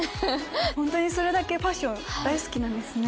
ホントにそれだけファッション大好きなんですね。